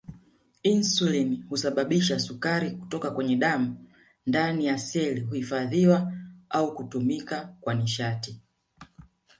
Insulini husababisha sukari kutoka kwenye damu ndani ya seli kuhifadhiwa au kutumika kwa nishati